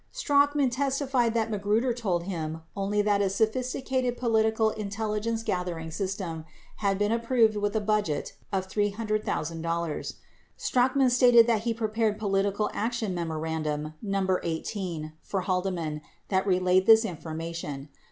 10 Strachan testified that Magruder told him only that a "sophisticated political intelligence gathering system had been approved with a budget of $300,000." 11 Strachan stated that he prepared political action memorandum #18 12 for Haldeman that relayed this informa tion.